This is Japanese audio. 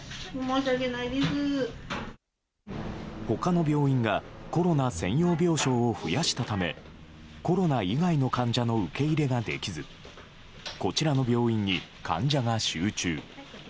他の病院がコロナ専用病床を増やしたためコロナ以外の患者の受け入れができずこちらの病院に患者が集中。